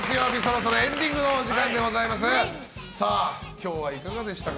今日はいかがでしたか？